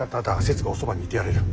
せつがおそばにいてやれる。